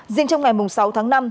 riêng trong ngày sáu tháng năm